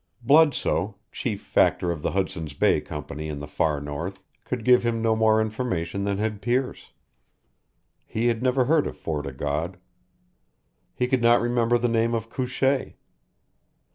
Bludsoe, chief factor of the Hudson's Bay Company in the far north, could give him no more information than had Pearce. He had never heard of Fort o' God. He could not remember the name of Couchee.